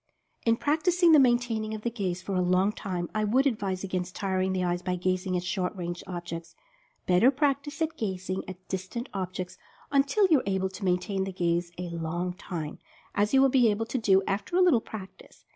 In practicing the maintaining of the gaze for a long time, I would advise against tiring the eyes by gazing at short range objects. Better practice at gazing at distant objects until you are able to maintain the gaze a long time, as you will be able to do after a little practice.